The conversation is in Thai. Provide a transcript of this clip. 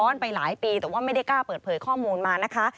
ไปหลายปีแต่ว่าไม่ได้กล้าเปิดเผยข้อมูลมานะคะ